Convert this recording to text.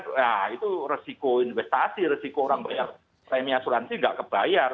nah itu resiko investasi resiko orang bayar premi asuransi nggak kebayar